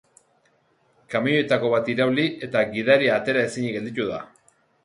Kamioietako bat irauli eta gidaria atera ezinik gelditu da.